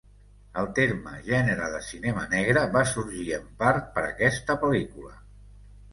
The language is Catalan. El terme gènere de cinema negre va sorgir en part per aquesta pel·lícula.